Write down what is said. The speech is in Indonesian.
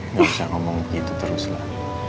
nggak usah ngomong gitu terus lah